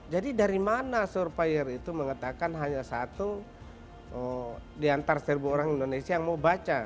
jadi dari mana surveyor itu mengatakan hanya satu diantara seribu orang indonesia yang mau baca